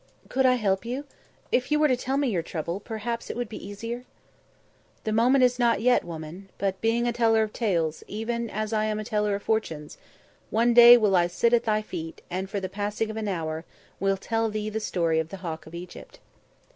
"Could I help you? If you were to tell me your trouble, perhaps it would be easier?" "The moment is not yet, woman, but, being a teller of tales, even as I am a teller of fortunes, one day will I sit at thy feet and, for the passing of an hour, will tell thee the story of the Hawk of Egypt."